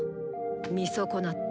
見損なった。